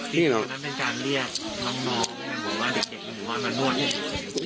นี่หน่อย